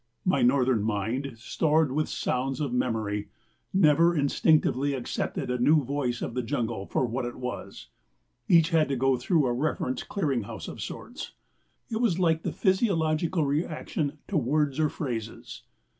My northern mind, stored with sounds of memory, never instinctively accepted a new voice of the jungle for what it was. Each had to go through a reference clearing house of sorts. It was like the psychological reaction to words or phrases.